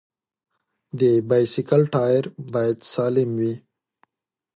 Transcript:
د بایسکل ټایر باید سالم وي.